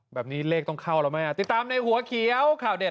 แบบนี้เลขต้องเข้าแล้วไหมอ่ะติดตามในหัวเขียวข่าวเด็ด